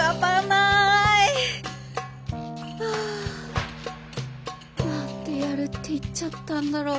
あ何でやるって言っちゃったんだろう